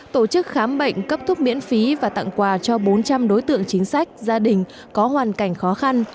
tổ chức khám bệnh cấp thuốc miễn phí và tặng quà cho bốn trăm linh đối tượng chính sách gia đình có hoàn cảnh khó khăn